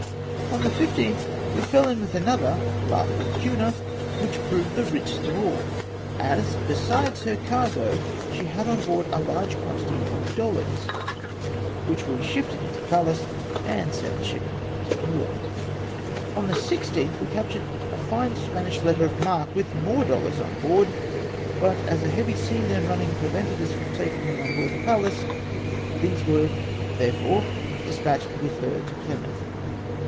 On the 15th, we fell in with another. La Fortuna, which proved the richest of aU, as, besides her cargo, she had on board a large quantity of dollars, which we shifted into the Pallas, and sent the ship to England. On the 16th, we captured a fine Spanish letter of marque, with more dollars on board ; but as a heavy sea then running prevented us from taking them on board the Pallas, these were therefore despatched with her to Plymouth.